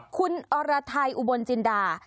คุณอรไทยอุบลจินดา